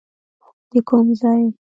د کوم ځای؟